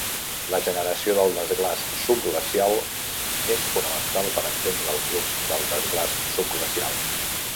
La generació del desglaç subglacial és fonamental per entendre el flux del desglaç subglacial.